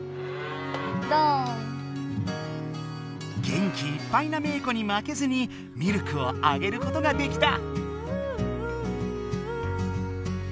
元気いっぱいなメー子にまけずにミルクをあげることができた！